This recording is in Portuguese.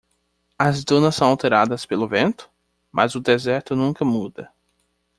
As dunas são alteradas pelo vento?, mas o deserto nunca muda.